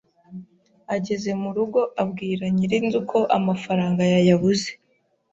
Ageze mu rugo abwira nyiri inzu ko amafaranga yayabuze